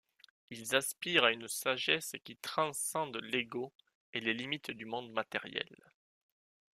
Ils aspirent à une sagesse qui transcende l'ego et les limites du monde matériel.